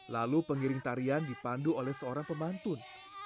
lalu pengiring tarian dipandu oleh seorang pemantun